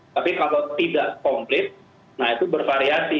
tapi kalau tidak komplit nah itu bervariasi